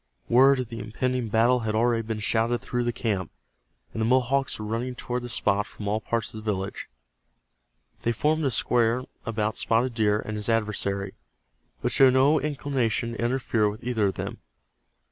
Word of the impending battle had already been shouted through the camp, and the Mohawks were running toward the spot from all parts of the village. They formed a square about Spotted Deer and his adversary, but showed no inclination to interfere with either of them.